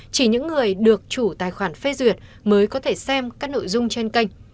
chỉ những người được chủ tài khoản facebook mới có thể xem các nội dung trên kênh